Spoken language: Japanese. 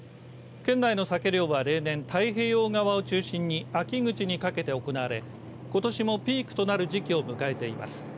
県内のサケ漁は例年太平洋側を中心に秋口にかけて行われことしもピークとなる時期を迎えています。